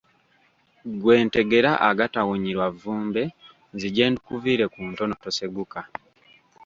Ggwe ntegera agatawunyirwa vvumbe nzije ndukuviire ku ntono, toseguka.